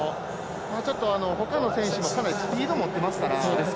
ちょっとほかの選手もかなりスピード持ってますから。